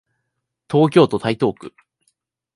東京都台東区